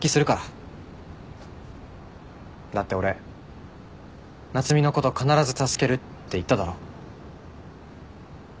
だって俺夏海のこと必ず助けるって言っただろ？